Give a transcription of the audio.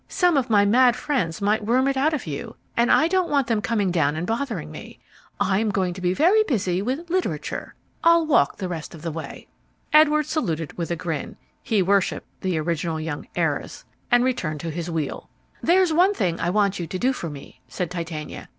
Some of my mad friends might worm it out of you, and I don't want them coming down and bothering me. I am going to be very busy with literature. I'll walk the rest of the way." Edwards saluted with a grin he worshipped the original young heiress and returned to his wheel. "There's one thing I want you to do for me," said Titania.